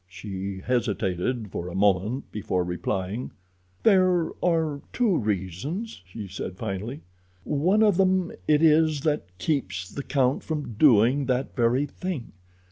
She hesitated for a moment before replying. "There are two reasons," she said finally. "One of them it is that keeps the count from doing that very thing.